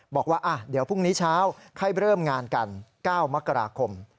บอกว่าเดี๋ยวพรุ่งนี้เช้าค่อยเริ่มงานกัน๙มกราคม